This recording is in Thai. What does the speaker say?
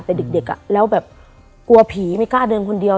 แต่เด็กแล้วแบบกลัวผีไม่กล้าเดินคนเดียว